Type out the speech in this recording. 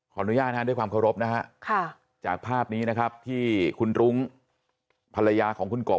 อนุญาตนะฮะด้วยความเคารพนะฮะจากภาพนี้นะครับที่คุณรุ้งภรรยาของคุณกบ